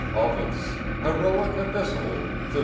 OVID'S Heroic Epistle, XV.